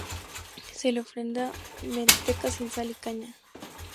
Se le ofrenda manteca sin sal y caña.